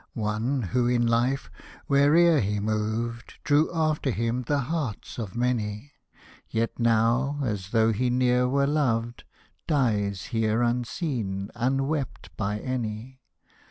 One who in life where'er he moved, Drew after him the hearts of many ; Yet now, as though he ne'er were loved. Dies here unseen, unwept by any